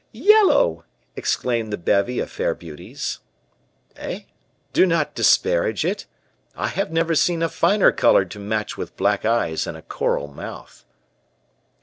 "Yellow!" exclaimed the bevy of fair beauties. "Eh! do not disparage it. I have never seen a finer color to match with black eyes and a coral mouth."